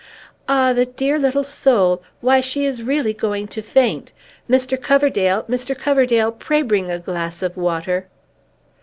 "Ah, the dear little soul! Why, she is really going to faint! Mr. Coverdale, Mr. Coverdale, pray bring a glass of water!"